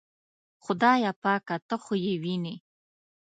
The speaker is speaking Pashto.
خدایه پاکه ته خو یې وینې.